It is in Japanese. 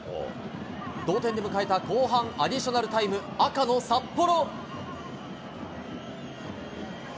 同点で迎えた後半アディショナルタイム、赤の札幌。